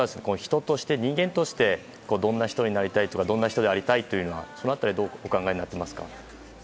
人として人間としてどんな人になりたいとかどんな人でありたいというのはどうお考えになっていますか？